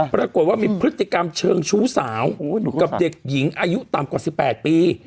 ปรากฏว่ามีพฤติกรรมเชิงชู้สาวกับเด็กหญิงอายุต่ำกว่า๑๘ปี